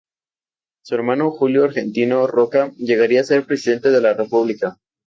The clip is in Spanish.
Su hermano Julio Argentino Roca llegaría a ser presidente de la república.